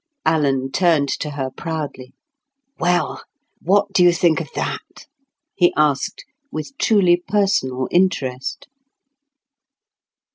Alan turned to her proudly. "Well, what do you think of that?" he asked with truly personal interest.